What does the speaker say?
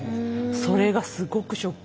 それがすごくショックで。